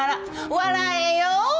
笑えよ。